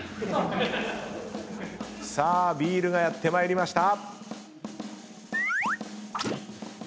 さあビールがやってまいりました！